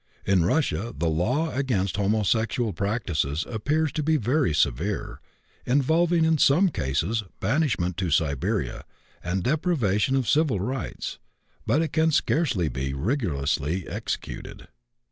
In Russia the law against homosexual practices appears to be very severe, involving, in some cases, banishment to Siberia and deprivation of civil rights; but it can scarcely be rigorously executed.